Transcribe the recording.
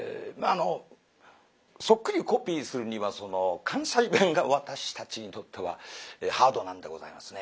そっくりコピーするには関西弁が私たちにとってはハードなんでございますね。